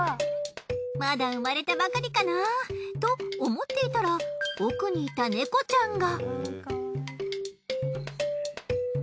まだ産まれたばかりかなと思っていたら奥にいた猫ちゃんが。